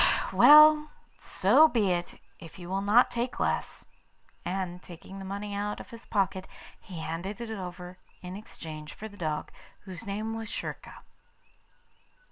'Well, so be it, if you will not take less;' and, taking the money out of his pocket, he handed it over in exchange for the dog, whose name was Schurka.